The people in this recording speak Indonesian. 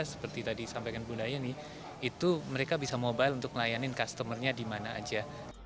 seperti tadi sampaikan bunda yeni itu mereka bisa mobile untuk melayanin customer nya di mana aja